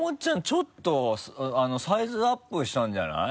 ちょっとサイズアップしたんじゃない？